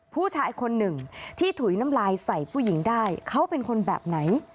ผู้ชายคนหนึ่งที่ถุยน้ำลายใส่ผู้หญิงได้เขาเป็นคนแบบไหน